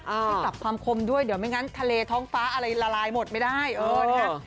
ให้ปรับความคมด้วยเดี๋ยวไม่งั้นทะเลท้องฟ้าอะไรละลายหมดไม่ได้เออนะคะ